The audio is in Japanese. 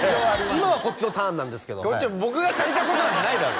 今はこっちのターンなんですけど僕が借りたことなんてないだろ！